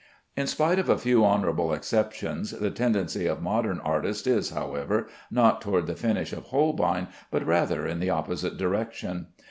In spite of a few honorable exceptions, the tendency of modern artists is, however, not toward the finish of Holbein, but rather in the opposite direction.